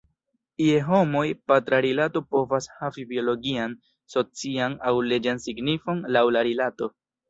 Je homoj, patra rilato povas havi biologian, socian, aŭ leĝan signifon, laŭ la rilato.